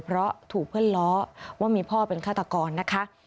เพราะถูกเพื่อนล้อว่ามีพ่อเป็นฆาตกรนะคะ